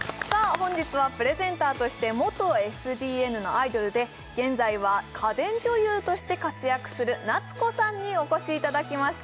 本日はプレゼンターとして元ＳＤＮのアイドルで現在は家電女優として活躍する奈津子さんにお越しいただきました